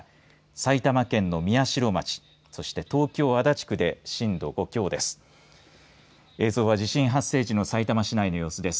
埼玉県の宮代町そして東京足立区で震度５強です。